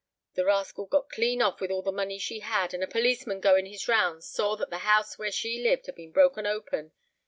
The rascal got clean off with all the money she had; and a policeman going his rounds, saw that the house where she lived had been broken open.